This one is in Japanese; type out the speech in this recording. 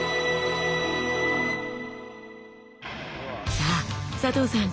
さあ佐藤さん